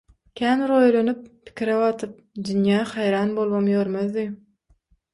Kän bir oýlanyp, pikire batyp, dünýä haýran bolubam ýörmezdi.